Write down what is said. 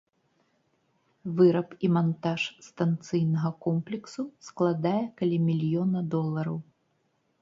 Выраб і мантаж станцыйнага комплексу складае каля мільёна долараў.